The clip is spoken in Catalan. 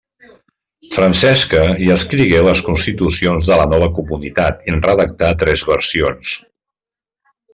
Francesca hi escrigué les constitucions de la nova comunitat i en redactà tres versions.